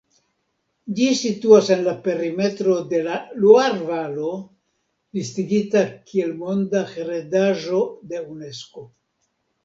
Ĝi situas en la perimetro de la Luar-valo, listigita kiel Monda heredaĵo de Unesko.